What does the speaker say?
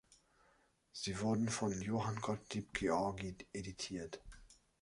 Sie wurden von Johann Gottlieb Georgi editiert.